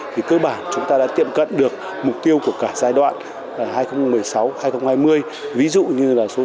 thì cơ bản chúng ta đã tiệm cận được mục tiêu của cả giai đoạn